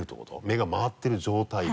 目が回ってる状態で。